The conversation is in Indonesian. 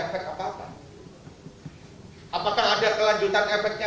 sehingga saya jadi tanda tanya besar